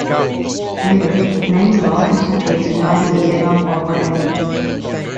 Later, the names of all Kentuckians who died in the Vietnam War were added.